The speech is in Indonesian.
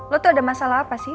lo tuh ada masalah apa sih